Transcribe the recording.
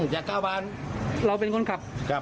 เพราะถูกทำร้ายเหมือนการบาดเจ็บเนื้อตัวมีแผลถลอก